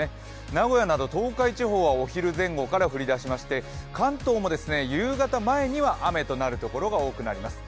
名古屋など東海地方はお昼前後から降り出しまして関東も夕方前には雨となるところが多くなります。